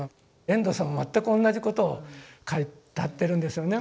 遠藤さんも全く同じことを書いてるんですよね。